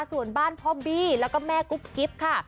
ส่วนบ้านพ่อบี้แล้วก็แม่กุ๊บกิ๊บค่ะ